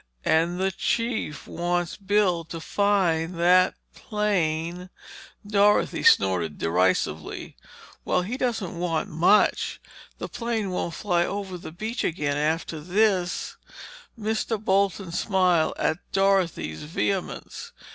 And the Chief wants Bill to find that plane—" Dorothy snorted derisively. "Well, he doesn't want much! That airplane won't fly over the Beach Club again, after this—" Mr. Bolton smiled at Dorothy's vehemence.